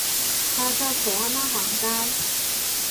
下晝陪阿媽行街